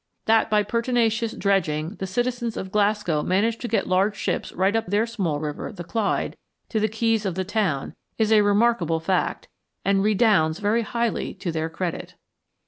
That by pertinacious dredging the citizens of Glasgow manage to get large ships right up their small river, the Clyde, to the quays of the town, is a remarkable fact, and redounds very highly to their credit.